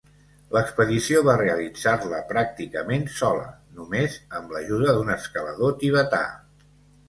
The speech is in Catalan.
L'expedició va realitzar-la pràcticament sola, només amb l'ajuda d'un escalador tibetà.